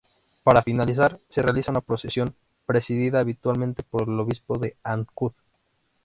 Para finalizar, se realiza una procesión, presidida habitualmente por el obispo de Ancud.